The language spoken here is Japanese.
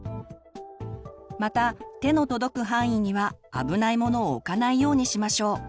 また手の届く範囲には危ないものを置かないようにしましょう。